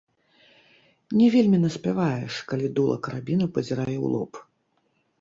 Не вельмі наспяваеш, калі дула карабіна пазірае ў лоб.